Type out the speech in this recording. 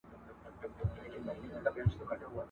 د همدې په زور عالم راته غلام دی ..